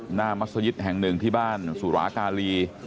มัศยิตแห่งหนึ่งที่บ้านสุรากาลี